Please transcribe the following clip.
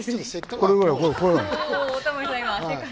これぐらいほら。